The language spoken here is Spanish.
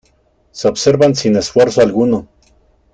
Se observan sin esfuerzo alguno.